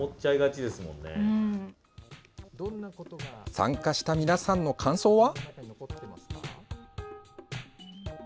参加した皆さんの感想は。